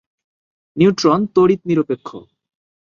Neutron তড়িৎ নিরপেক্ষ।